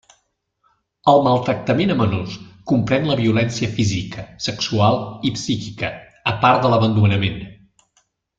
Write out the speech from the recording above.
El maltractament a menors comprèn la violència física, sexual i psíquica, a part de l'abandonament.